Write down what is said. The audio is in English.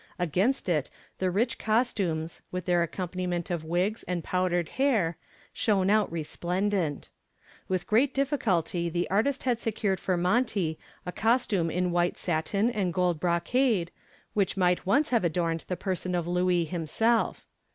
Against it the rich costumes, with their accompaniment of wigs and powdered hair, shone out resplendent. With great difficulty the artist had secured for Monty a costume in white satin and gold brocade, which might once have adorned the person of Louis himself.